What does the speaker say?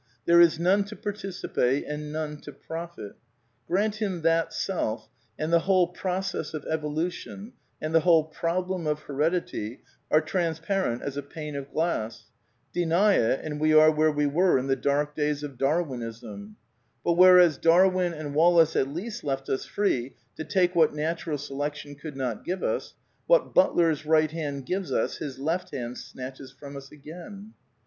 There is none to participate and none to profitr^ Orant him that self, and the whole process of evolution and the whole problem of heredity are transparent as a pane of glass. Deny it and we are where we were in the dark days of Darwinism. But, whereas Darwin and Wal lace at least left us free to take what Natural Selection could not give us, what Butler's right hand gives us his left hand snatches from us again.